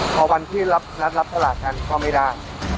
พอวันที่นัดรับตลาดกันก็ไม่ได้